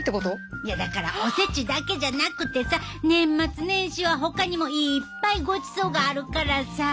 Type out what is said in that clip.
いやだからおせちだけじゃなくてさ年末年始はほかにもいっぱいごちそうがあるからさあ。